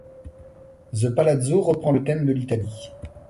The Palazzo reprend le thème de l'Italie.